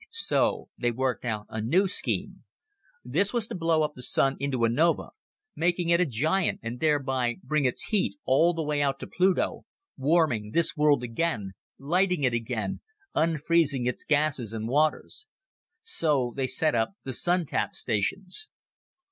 So they worked out a new scheme. This was to blow up the Sun into a nova make it a giant and thereby bring its heat all the way out to Pluto warming this world again, lighting it again, unfreezing its gases and waters. So they set up the Sun tap stations."